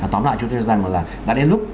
tóm lại chúng tôi cho rằng là đã đến lúc